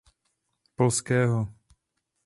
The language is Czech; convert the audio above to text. Polského.